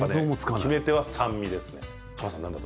決め手は酸味です。